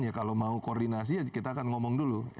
ya kalau mau koordinasi ya kita akan ngomong dulu